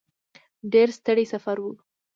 ډېر ستړی سفر و.